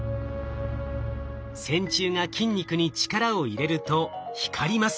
線虫が筋肉に力を入れると光ります。